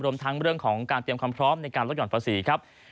รวมทั้งเรื่องของการเตรียมความพร้อมในการลดห่อนภาษีครับ